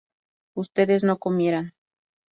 ustedes no comieran